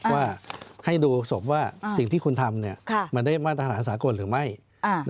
ว่าให้ดูศพว่าสิ่งที่คุณทำมันได้มาตรฐานสากลหรือไม่